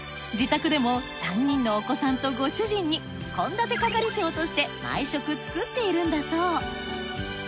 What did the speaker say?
自宅でも３人のお子さんとご主人に献立係長として毎食作っているんだそう。